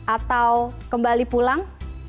atau kembali pulang